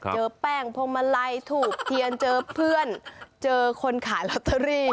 เจอแป้งพวงมาลัยถูกเทียนเจอเพื่อนเจอคนขายลอตเตอรี่